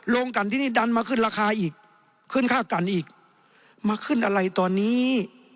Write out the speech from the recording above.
ลงกันที่นี่ดันมาขึ้นราคาอีกขึ้นค่ากันอีกมาขึ้นอะไรตอนนี้